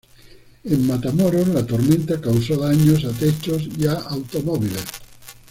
En Matamoros, la tormenta causó daños a techos y a automóviles.